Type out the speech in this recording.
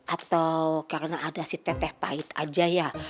atau karena ada si teteh pahit aja ya